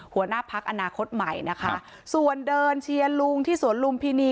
หัวหน้าพักอนาคตใหม่นะคะส่วนเดินเชียร์ลุงที่สวนลุมพินี